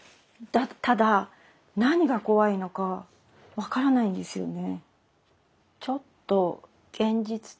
ただ何が怖いのか分からないんですよね。